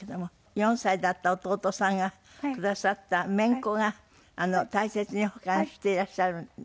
４歳だった弟さんがくださったメンコが大切に保管していらっしゃる。